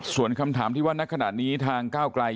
ส่วนคำถามที่ว่านักขณะนี้ทางก้าวไกล